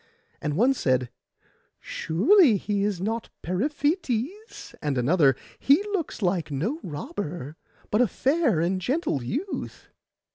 And one said, 'Surely he is not Periphetes;' and another, 'He looks like no robber, but a fair and gentle youth.